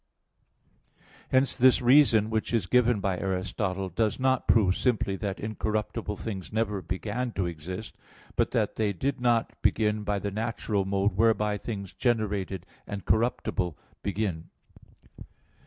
Hence this reason which is given by Aristotle (De Coelo i, text 120) does not prove simply that incorruptible things never began to exist; but that they did not begin by the natural mode whereby things generated and corruptible begin.